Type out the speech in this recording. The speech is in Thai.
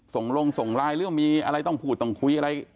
ส่งลงส่งไลน์หรือว่ามีอะไรต้องพูดต้องคุยอะไร